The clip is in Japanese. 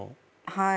はい。